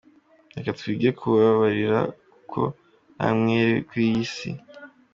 Reka twige kubabarira kuko nta mwere kuri iyi si.